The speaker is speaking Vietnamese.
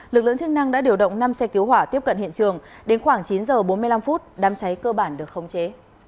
lực lượng chức năng đã điều động năm xe cứu hỏa tiếp cận hiện trường đến khoảng chín h bốn mươi năm phút đám cháy cơ bản được khống chế